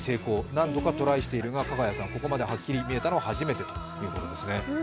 何度かトライしているが、ＫＡＧＡＹＡさん、ここまではっきり見えたのは初めてだそうです。